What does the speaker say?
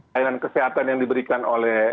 layanan kesehatan yang diberikan oleh